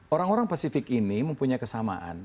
orang orang pasifik ini mempunyai kesamaan